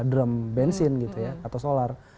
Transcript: di dalam bensin gitu ya atau solar